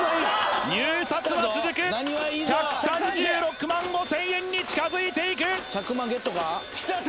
入札は続く１３６万５０００円に近づいていく１００万ゲットか？